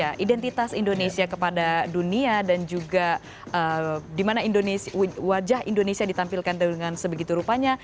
bagaimana identitas indonesia kepada dunia dan juga di mana wajah indonesia ditampilkan dengan sebegitu rupanya